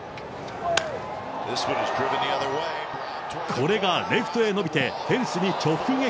これがレフトへ伸びて、フェンスに直撃。